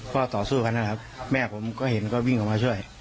ก็ต่อสู้กันนะครับแม่ผมก็เห็นก็วิ่งออกมาช่วย